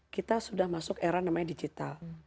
kita sudah masuk era namanya digital